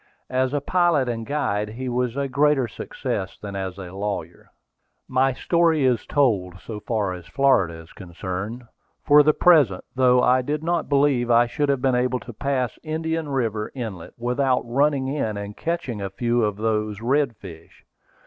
As a pilot and guide he was a greater success than as a lawyer. My story is told, so far as Florida is concerned, for the present, though I did not believe I should be able to pass Indian River Inlet without running in and catching a few of those redfish.